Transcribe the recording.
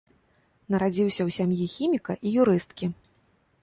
Нарадзіўся ў сям'і хіміка і юрысткі.